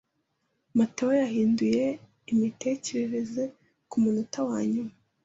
Matayo yahinduye imitekerereze kumunota wanyuma.